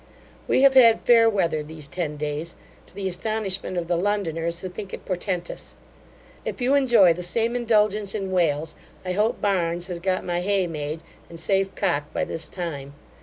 We have had fair weather these ten days, to the astonishment of the Londoners, who think it portentous. If you enjoy the same indulgence in Wales, I hope Barns has got my hay made, and safe cocked by this time.